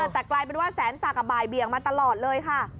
แต่กลายเป็นว่าแสนศักดิ์บ่ายเบียงมาตลอดเลยค่ะ